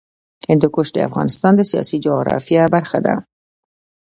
هندوکش د افغانستان د سیاسي جغرافیه برخه ده.